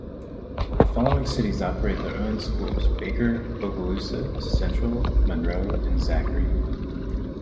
The following cities operate their own schools: Baker, Bogalusa, Central, Monroe, and Zachary.